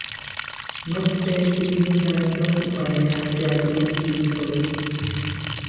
Notekiro inchato opariantyari okithoki